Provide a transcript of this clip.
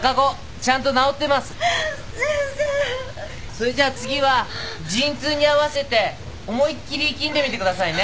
それじゃ次は陣痛に合わせて思いっきり息んでみてくださいね。